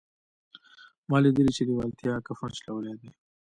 ما لیدلي چې لېوالتیا کفن شلولی دی